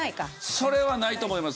それはないと思います。